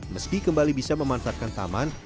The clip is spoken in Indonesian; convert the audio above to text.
meski kembali bisa memanfaatkan taman